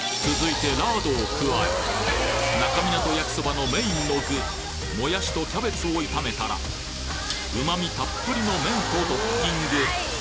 続いてラードを加え那珂湊焼きそばのメインの具もやしとキャベツを炒めたら旨味たっぷりの麺とドッキング